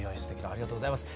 ありがとうございます。